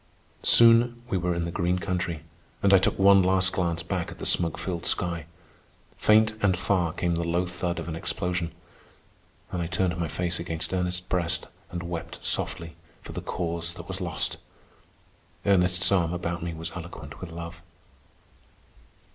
Soon we were in the green country, and I took one last glance back at the smoke filled sky. Faint and far came the low thud of an explosion. Then I turned my face against Ernest's breast and wept softly for the Cause that was lost. Ernest's arm about me was eloquent with love.